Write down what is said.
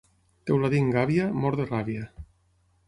Teuladí en gàbia, mort de ràbia.